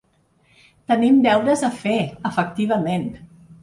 Tenim deures a fer, efectivament.